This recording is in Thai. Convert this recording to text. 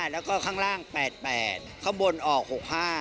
แล้วก็ข้างล่าง๘๘ข้างบนออก๖๕